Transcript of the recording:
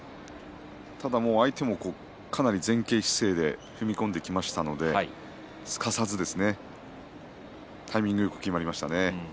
ただ相手も、かなり前傾姿勢で踏み込んできたのですかさず、タイミングよくきまりましたね。